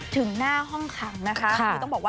ถึงหน้าห้องขำนะคะ